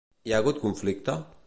Hi ha hagut conflicte?